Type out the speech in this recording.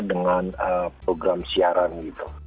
dengan program siaran gitu